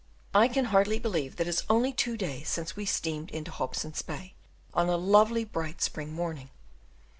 I can hardly believe that it is only two days since we steamed into Hobson's Bay, on a lovely bright spring morning.